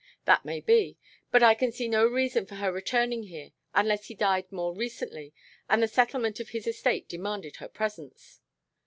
That may be, but I can see no reason for her returning here unless he died more recently and the settlement of his estate demanded her presence."